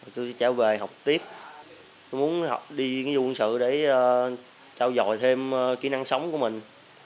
tôi sẽ trở về học tiếp tôi muốn đi nghĩa vụ quân sự để trao dòi thêm kỹ năng sống của mình